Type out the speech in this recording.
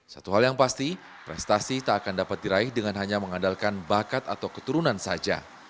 satu hal yang pasti prestasi tak akan dapat diraih dengan hanya mengandalkan bakat atau keturunan saja